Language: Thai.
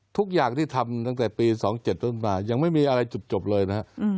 ทุกอย่างที่ทำตั้งแต่ปี๒๐๐๗๒๐๐๘ยังไม่มีอะไรจบเลยนะครับ